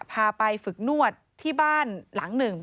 พาไปฝึกนวดที่บ้านหลังหนึ่ง